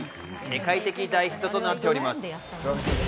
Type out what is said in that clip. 世界的大ヒットとなっております。